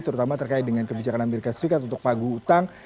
terutama terkait dengan kebijakan amerika serikat untuk pagu utang